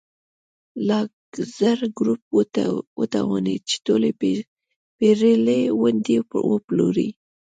لاکزر ګروپ وتوانېد چې ټولې پېرلې ونډې وپلوري.